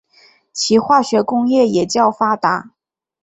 其化学工业也较发达。